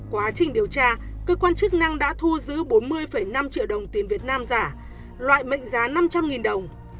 quá trình điều tra cơ quan chức năng đã thu giữ bốn mươi năm triệu đồng tiền việt nam giả loại mệnh giá năm trăm linh đồng